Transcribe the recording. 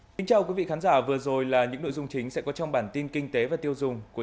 xin chào quý vị khán giả vừa rồi là những nội dung chính sẽ có trong bản tin kinh tế và tiêu dùng của